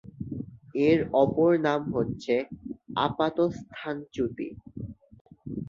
এর অপর নাম হচ্ছে "আপাত স্থানচ্যুতি"।